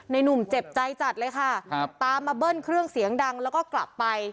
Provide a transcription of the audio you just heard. หนุ่มเจ็บใจจัดเลยค่ะครับตามมาเบิ้ลเครื่องเสียงดังแล้วก็กลับไป